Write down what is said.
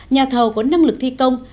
nhà thầu có năng lực thi công